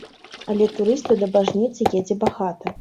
Але турыстаў да бажніцы едзе багата.